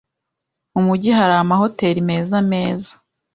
Mu mujyi hari amahoteri meza meza.